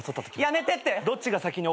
やめてって。